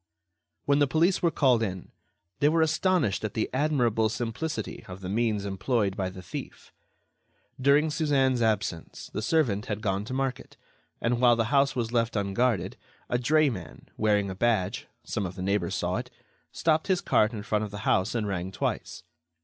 When the police were called in, they were astonished at the admirable simplicity of the means employed by the thief. During Suzanne's absence, the servant had gone to market, and while the house was thus left unguarded, a drayman, wearing a badge—some of the neighbors saw it—stopped his cart in front of the house and rang twice.